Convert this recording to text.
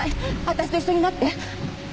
私と一緒になって。